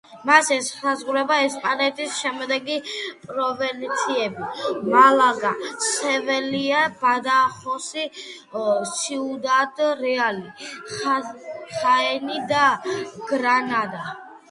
მას ესაზღვრება ესპანეთის შემდეგი პროვინციები: მალაგა, სევილია, ბადახოსი, სიუდად რეალი, ხაენი და გრანადა.